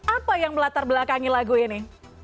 apa yang melatar belakangi lagu ini